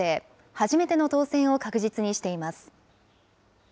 初めての当選を確実にしています。